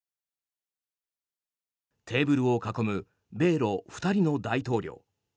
テーブルを囲む米ロ２人の大統領。